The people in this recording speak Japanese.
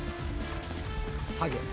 ハゲ。